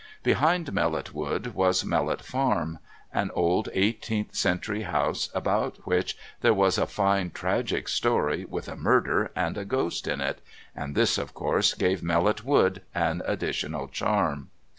Behind Mellot Wood was Mellot Farm, an old eighteenth century house about which there was a fine tragic story with a murder and a ghost in it, and this, of course, gave Mellot Wood an additional charm.